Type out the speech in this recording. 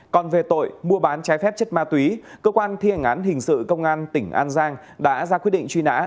còn về tội mua bán trái phép chất ma túy cơ quan thi hành án hình sự công an tỉnh an giang đã ra quyết định truy nã